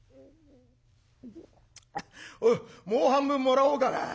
「おうもう半分もらおうかな。